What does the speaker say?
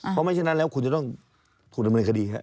เพราะไม่ฉะนั้นแล้วคุณจะต้องถูกดำเนินคดีครับ